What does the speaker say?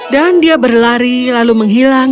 dia berlari lalu menghilang